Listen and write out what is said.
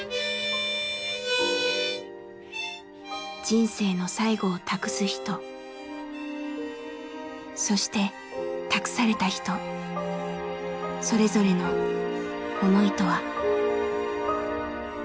人生の最期を託す人そして託された人それぞれの思いとは。